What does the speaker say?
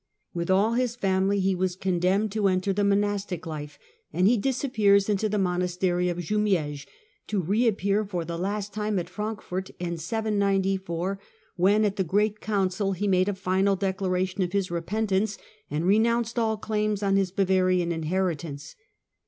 With all his family he was condemned to enter the monastic life, and he disappears into the monastery of Jumieges, to reappear for the last time at Erankfort in 794, when at the great council he made a final declara tion of his repentance and renounced all claims on his Bavarian inheritance.